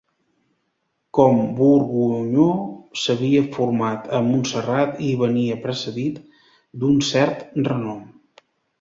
Com Borgunyó, s'havia format a Montserrat i venia precedit d'un cert renom.